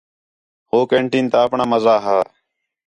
ہو کینٹین تا آپݨاں مزہ ہا